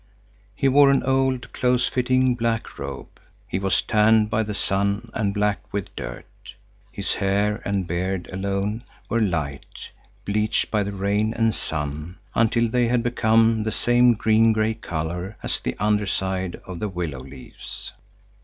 He wore an old, close fitting, black robe. He was tanned by the sun and black with dirt. His hair and beard alone were light, bleached by the rain and sun, until they had become the same green gray color as the under side of the willow leaves.